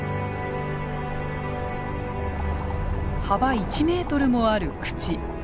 幅１ｍもある口。